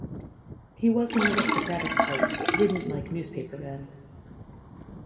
He was an aristocratic type, who didn't like newspaper men.